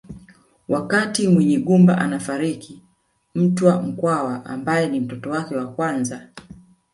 Wakati Munyigumba anafariki Mtwa Mkwawa ambaye ni mtoto wake wa kwanza